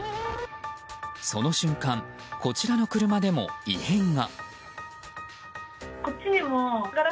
その瞬間、こちらの車でも異変が。